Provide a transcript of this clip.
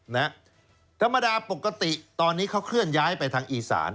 ธรรมดาปกติตอนนี้เขาเคลื่อนย้ายไปทางอีสาน